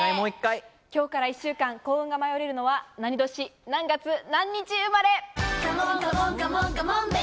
今日から１週間、幸運が舞い降りるのは何年何月何日生まれ。